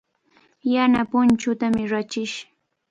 Yana punchuutami rachish.